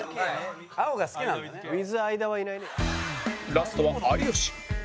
ラストは有吉